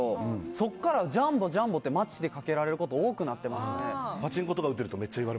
そっからジャンボ、ジャンボって街でかけられること多くなってますね。